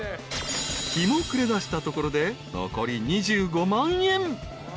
［日も暮れだしたところで残り２５万円］